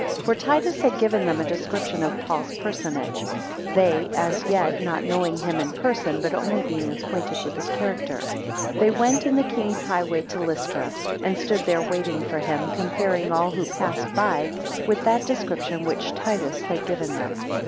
5 For Titus had given them a description of Paul's personage, they as yet not knowing him in person, but only being acquainted with his character. 6 They went in the king's highway to Lystra, and stood there waiting for him, comparing all who passed by with that description which Titus had given them.